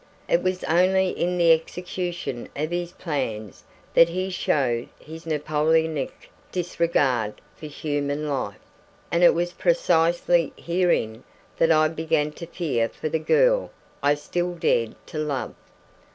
It was only in the execution of his plans that he showed his Napoleonic disregard for human life; and it was precisely herein that I began to fear for the girl I still dared to love.